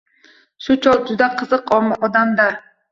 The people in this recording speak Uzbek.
Shu chol juda qiziq odam-da